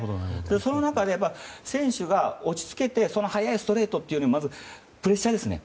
その中で選手が落ち着けて速いストレートというふうにまずプレッシャーですね